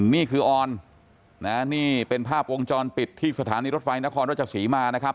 นี่คือออนนะนี่เป็นภาพวงจรปิดที่สถานีรถไฟนครรัชศรีมานะครับ